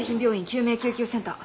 救命救急センター。